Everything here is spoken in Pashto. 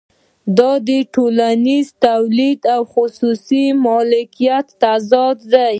دا د ټولنیز تولید او خصوصي مالکیت تضاد دی